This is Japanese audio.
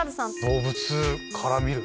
「動物から見る」。